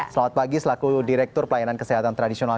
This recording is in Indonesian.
selamat pagi selaku direktur pelayanan kesehatan tradisional